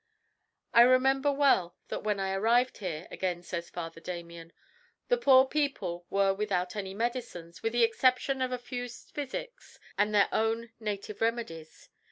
"I remember well that when I arrived here," again says Father Damien, "the poor people were without any medicines, with the exception of a few physics and their own native remedies.